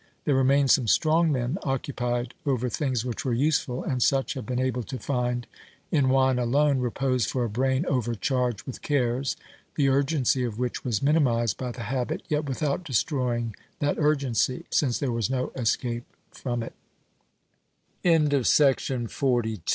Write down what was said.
There remain some strong men, occupied over things which were useful, and such have been able to find in wine alone repose for a brain overcharged with cares the urgency of which was minimised by the habit, yet without destroying that urgency, since there was no escape from